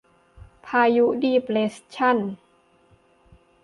พายุดีเปรสชัน